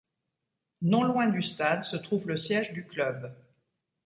Non loin du stade se trouve le siège du Club.